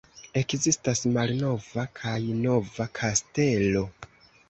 Ekzistas Malnova kaj Nova kastelo.